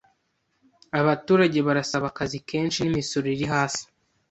Abaturage barasaba akazi kenshi n’imisoro iri hasi.